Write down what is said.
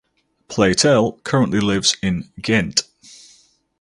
Platel currently lives in Ghent.